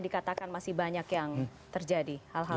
katakan masih banyak yang terjadi